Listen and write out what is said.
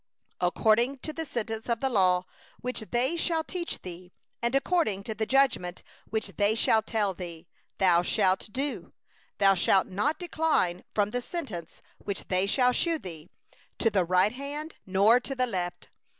11According to the law which they shall teach thee, and according to the judgment which they shall tell thee, thou shalt do; thou shalt not turn aside from the sentence which they shall declare unto thee, to the right hand, nor to the left.